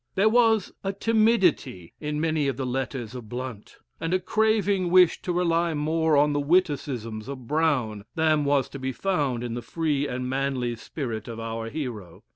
There was a timidity in many of the letters of Blount, and a craving wish to rely more on the witticisms of Brown, than was to be found in the free and manly spirit of our hero.